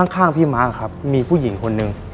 ข้างพี่ไมมาร์คมีผู้หญิงคนนึง